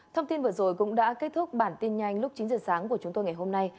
thông tin vừa rồi cũng đã kết thúc bản tin nhanh lúc chín giờ sáng của chúng tôi ngày hôm nay